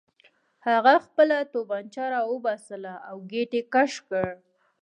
هغه خپله توپانچه راوباسله او ګېټ یې کش کړ